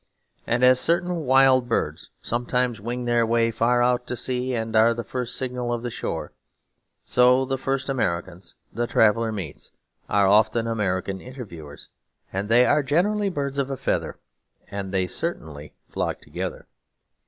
And as certain wild birds sometimes wing their way far out to sea and are the first signal of the shore, so the first Americans the traveller meets are often American interviewers; and they are generally birds of a feather, and they certainly flock together.